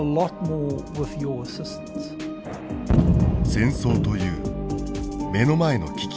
戦争という目の前の危機。